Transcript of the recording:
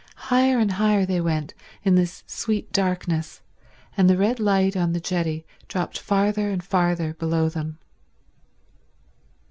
Higher and higher they went in this sweet darkness, and the red light on the jetty dropped farther and farther below them.